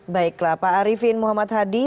baiklah pak arifin muhammad hadi